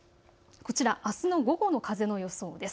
こちらあすの午後の風の予想です。